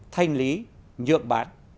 thanh lý nhượng bán